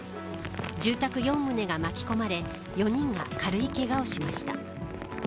住宅４棟が巻き込まれ４人が軽いけがをしました。